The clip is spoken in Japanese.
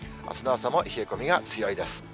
あすの朝も冷え込みが強いです。